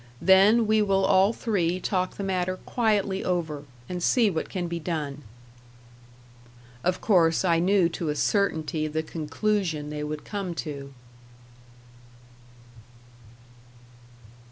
Then we will all three talk the matter quietly over, and see what can be done." Of course I knew to a certainty the conclusion they would come to.